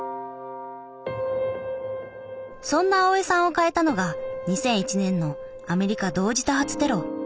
そんな青江さんを変えたのが２００１年のアメリカ同時多発テロ。